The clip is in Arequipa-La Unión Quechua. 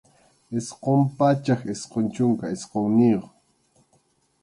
Isqun pachak isqun chunka isqunniyuq.